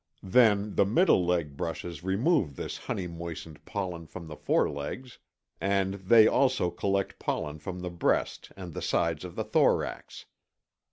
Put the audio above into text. Then the middle leg brushes remove this honey moistened pollen from the forelegs and they also collect pollen from the breast and the sides of the thorax.